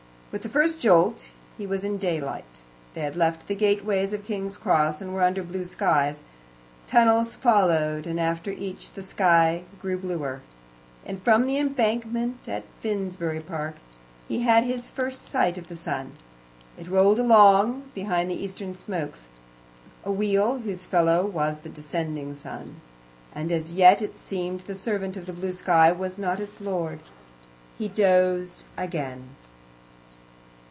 With the first jolt he was in daylight; they had left the gateways of King's Cross, and were under blue sky. Tunnels followed, and after each the sky grew bluer, and from the embankment at Finsbury Park he had his first sight of the sun. It rolled along behind the eastern smokes a wheel, whose fellow was the descending moon and as yet it seemed the servant of the blue sky, not its lord. He dozed again.